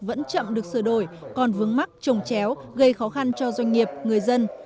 vẫn chậm được sửa đổi còn vướng mắc trồng chéo gây khó khăn cho doanh nghiệp người dân